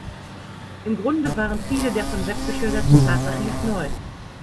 Im Grunde waren viele der von Webb geschilderten Tatsachen nicht neu.